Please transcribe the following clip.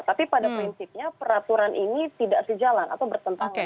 tapi pada prinsipnya peraturan ini tidak sejalan atau bertentangan